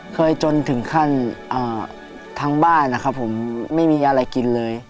เคยจนถึงขั้นทั้งบ้านผมไม่มีอะไรกินเลย